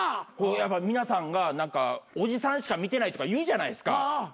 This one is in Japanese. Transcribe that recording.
やっぱ皆さんがおじさんしか見てないとか言うじゃないですか。